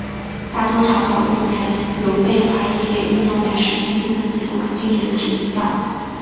大多长跑运动员由被怀疑给运动员使用兴奋剂的马俊仁执教。